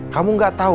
kamu gak tau